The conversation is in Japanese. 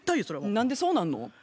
何でそうなんの？